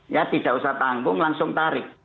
ya tidak usah tanggung langsung tarik